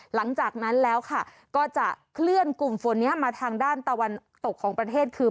หลังจากนั้นแล้วค่ะก็จะเคลื่อนกลุ่มฝนนี้มาทางด้านตะวันตกของประเทศคือ